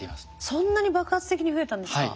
そんなに爆発的に増えたんですか？